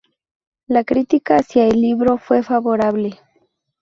La crítica hacia el libro fue favorable.